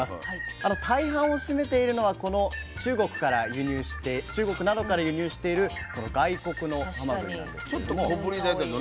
大半を占めているのはこの中国などから輸入しているこの外国のハマグリなんですけれども。